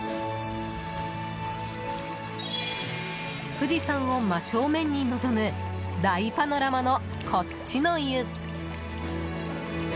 富士山を真正面に望む大パノラマの、こっちの湯。